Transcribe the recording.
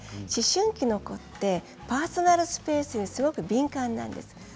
思春期の子ってパーソナルスペースすごく敏感なんです。